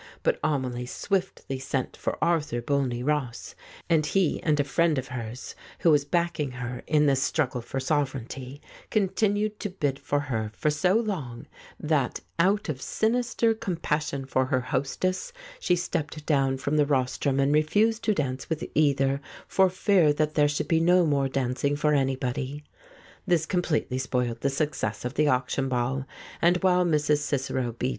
But Amelie swiftly sent for Arthur Bolney Ross, and he and a friend of hers, who was backing her in this struggle for sovereignty, con tinued to bid for her for so long that, out of sinister compassion for her hostess, she stepped down from the rostrum and refused to dance with either, for fear that there should be no more dancing for any body. This completely spoiled the success of the auction ball, and while Mrs. Cicero B.